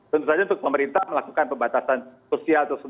tentu saja untuk pemerintah melakukan pembatasan sosial